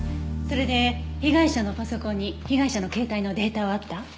それで被害者のパソコンに被害者の携帯のデータはあった？